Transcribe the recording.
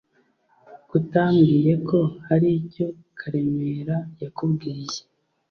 Kutambwiye ko haricyo karemera yakubwiye